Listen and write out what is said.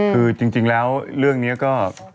คือจริงแล้วเรื่องนี้ก็